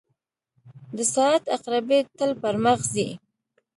• د ساعت عقربې تل پر مخ ځي.